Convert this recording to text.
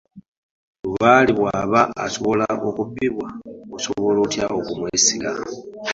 Lubaale bw’aba asobola okubbibwa, osobola otya okumwesiga.